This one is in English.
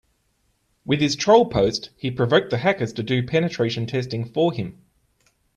With his troll post he provoked the hackers to do penetration testing for him.